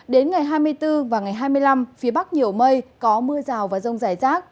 đến ngày hai mươi bốn và ngày hai mươi năm phía bắc nhiều mây có mưa rào và rông rải rác